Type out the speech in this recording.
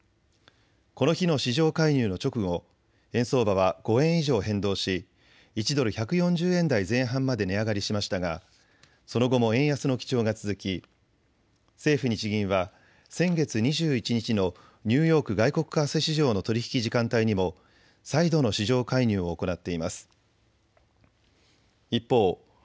この日の市場介入の直後円相場は円相場は５円以上変動し１ドル１４０円台前半まで値上がりしましたが、その後も円安の基調が続き、政府・日銀は先月２１日のニューヨーク外国為替市場の取り引き時間帯にも再度の市場介入を行っています。